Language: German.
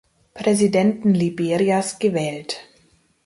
Präsidenten Liberias gewählt.